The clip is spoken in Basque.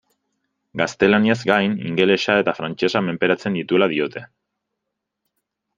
Gaztelaniaz gain, ingelesa eta frantsesa menperatzen dituela diote.